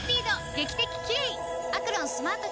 劇的キレイ！